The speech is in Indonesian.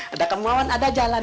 ada kemauan ada jalan